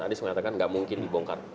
adis mengatakan tidak mungkin dibongkar